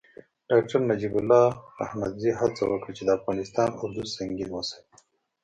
ډاکتر نجیب الله احمدزي هڅه وکړه چې د افغانستان اردو سنګین وساتي.